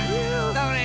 それ！